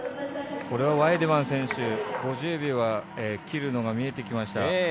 ワイデマン選手５０秒は切るのが見えてきました。